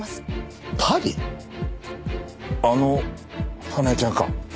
あの花絵ちゃんか。